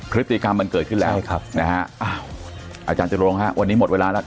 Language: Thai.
พฤติกรรมมันเกิดขึ้นแล้วอาจารย์จรวงฮะวันนี้หมดเวลาแล้ว